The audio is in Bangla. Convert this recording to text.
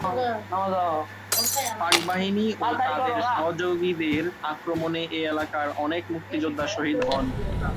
পাকবাহিনী ও তাদের সহযোগীদের আক্রমণে এ এলাকার অনেক মুক্তিযোদ্ধা শহীদ হন।